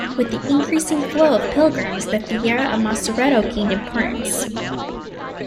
With the increasing flow of pilgrims, the fiera of Macereto gained importance.